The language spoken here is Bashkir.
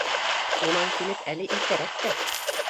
— Унан килеп, әле иртәрәк тә